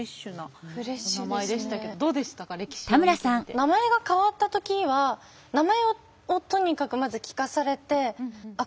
名前が変わった時は名前をとにかくまず聞かされてあっ